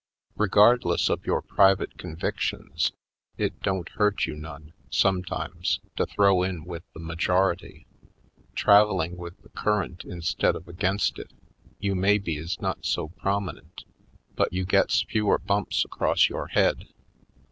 Regardless of your private convictions it don't hurt you none, sometimes, to throw in with the majority. Traveling with the cur rent instead of against it, you maybe is not so prominent but you gets fewer bumps across your head.